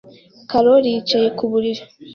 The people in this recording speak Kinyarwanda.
Karoli yicaye ku buriri.